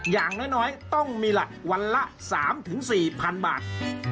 อย่างน้อยต้องมีวันละ๓๔๐๐๐บาท